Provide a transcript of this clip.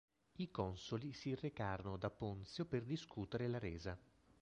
I consoli si recarono da Ponzio per discutere la resa.